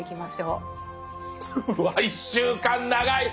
うわ１週間長い！